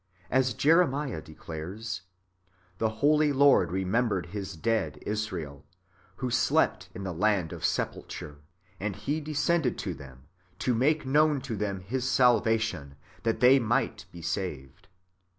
As Jeremiah declares, " The holy Lord remembered His dead Israel, who slept in the land of sepulture ; and He descended to them to make known to them His salvation, that they might be saved."